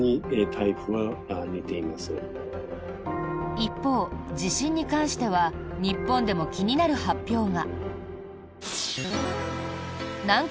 一方、地震に関しては日本でも気になる発表が。